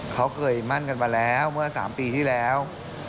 เขาเคยมั่นกันมาแล้วเมื่อ๓ปีที่แล้ว